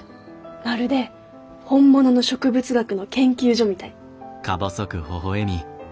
まるで本物の植物学の研究所みたい。